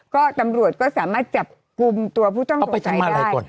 ก็ตำรวจก็สามารถจับกลุ่มตัวผู้ต้องสงสัยได้